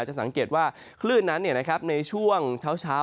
จะสังเกตว่าคลื่นนั้นในช่วงเช้า